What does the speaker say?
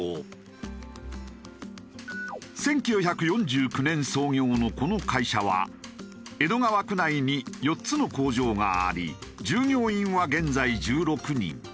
１９４９年創業のこの会社は江戸川区内に４つの工場があり従業員は現在１６人。